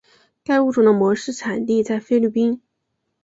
该物种的模式产地在菲律宾。